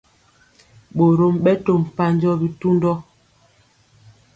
Ɓorom ɓɛ to mpanjɔ bitundɔ.